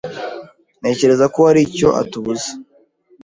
Ntekereza ko hari icyo atubuza.